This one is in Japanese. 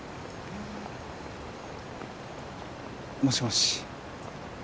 もしもし。